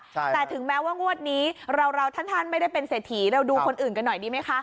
แต่ถึงแม้ว่างวดนี้เราท่านไม่ได้เป็นเศรษฐีเราดูคนอื่นกันหน่อยดีไหมคะ